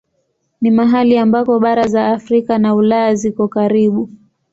Ni mahali ambako bara za Afrika na Ulaya ziko karibu.